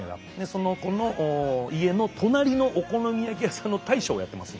その子の家の隣のお好み焼き屋さんの大将をやってます。